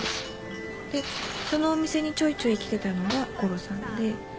でそのお店にちょいちょい来てたのがゴロさんで。